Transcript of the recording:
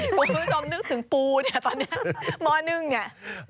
คุณผู้ชมนึกถึงปูเนี่ยตอนนี้หม้อนึ่งเนี่ย